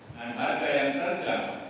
dan harga yang terjang